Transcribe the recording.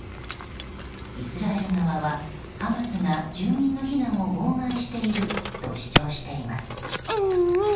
イスラエル側はハマスが住民の避難を妨害していると主張しています。